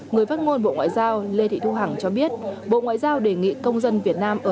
người phát ngôn bộ ngoại giao lê thị thu hằng cho biết bộ ngoại giao đề nghị công dân việt nam ở